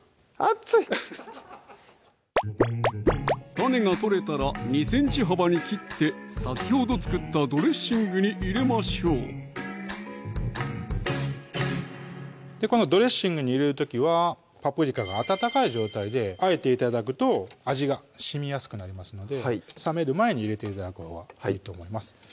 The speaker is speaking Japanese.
種が取れたら２ｃｍ幅に切って先ほど作ったドレッシングに入れましょうこのドレッシングに入れる時はパプリカが温かい状態で和えて頂くと味がしみやすくなりますので冷める前に入れて頂くほうがいいと思います